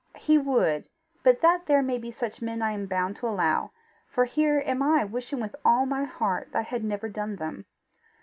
"He would; but that there may be such men I am bound to allow, for here am I wishing with all my heart that I had never done them.